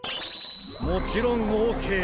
もちろんオーケー！